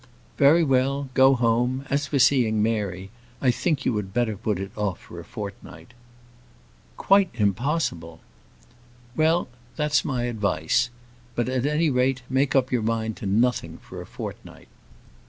"Very well, go home: as for seeing Mary, I think you had better put it off for a fortnight." "Quite impossible." "Well, that's my advice. But, at any rate, make up your mind to nothing for a fortnight.